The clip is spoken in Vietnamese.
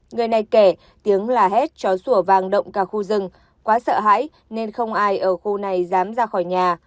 người này kể tiếng là hét cho sủa vàng động cả khu rừng quá sợ hãi nên không ai ở khu này dám ra khỏi nhà